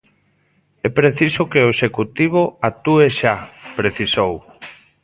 É preciso que o Executivo actúe xa, precisou.